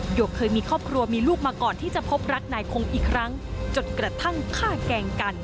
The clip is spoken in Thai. กเคยมีครอบครัวมีลูกมาก่อนที่จะพบรักนายคงอีกครั้งจนกระทั่งฆ่าแกล้งกัน